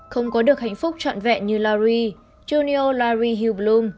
không có được hạnh phúc trọn vẹn như larry junior larry hillblum